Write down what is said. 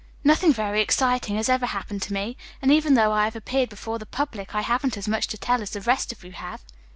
Nothing very exciting has ever happened to me, and even though I have appeared before the public I haven't as much to tell as the rest of you have."